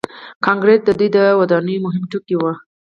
کانکریټ د دوی د ودانیو مهم توکي وو.